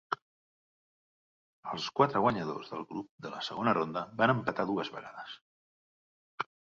Els quatre guanyadors del grup de la segona ronda van empatar dues vegades.